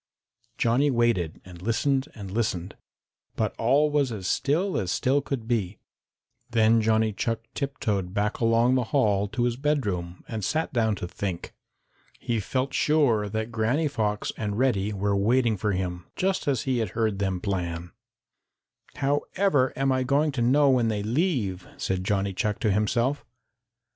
Johnny waited and listened and listened, but all was as still as still could be. Then Johnny Chuck tiptoed back along the hall to his bedroom and sat down to think. He felt sure that Granny Fox and Reddy were waiting for him, just as he had heard them plan. "However am I going to know when they leave?" said Johnny Chuck to himself.